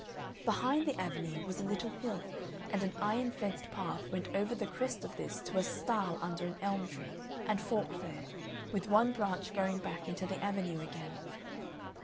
Behind the Avenue was a little hill, and an iron fenced path went over the crest of this to a stile under an elm tree, and forked there, with one branch going back into the Avenue again.